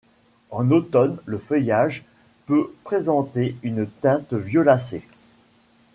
En automne, le feuillage peut présenter une teinte violacée.